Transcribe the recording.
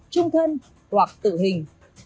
trung thân hoặc tử hình